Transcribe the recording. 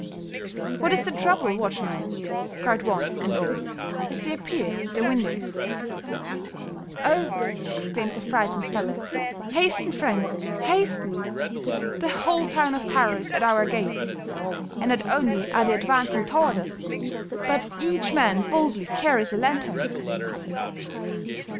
"'What is the trouble, watchman?' cried one and all, as they appeared at their windows. "'Oh,' exclaimed the frightened fellow, 'hasten, friends, hasten! The whole town of Thaur is at our gates; and not only are they advancing toward us, but each man boldly carries a lantern.'